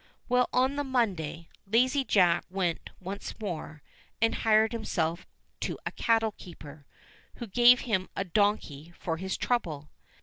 Well, on the Monday, Lazy Jack went once more, and hired himself to a cattle keeper, who gave him a donkey for his trouble.